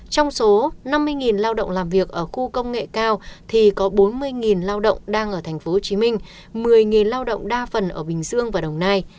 trong số năm mươi lao động làm việc ở khu công nghệ cao thì có bốn mươi lao động đang ở tp hcm một mươi lao động đa phần ở bình dương và đồng nai